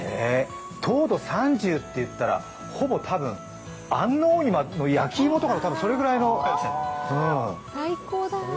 糖度３０といったらほぼ安納芋の焼き芋とかのそれぐらいの。